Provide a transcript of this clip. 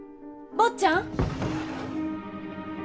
坊ちゃん！